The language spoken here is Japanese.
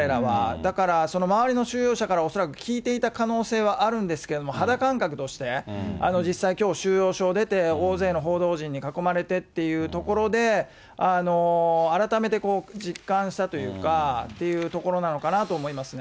だから周りの収容者から恐らく聞いていた可能性はあるんですけれども、肌感覚として、実際、きょう収容所を出て、大勢の報道陣に囲まれてっていうところで、改めて実感したというか、というところなのかなと思いますね。